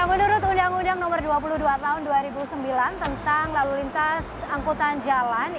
menurut undang undang nomor dua puluh dua tahun dua ribu sembilan tentang lalu lintas angkutan jalan